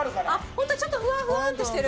ホントにちょっとふわんふわんってしてる。